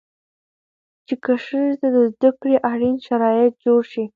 چې که ښځې ته د زده کړې اړين شرايط جوړ شي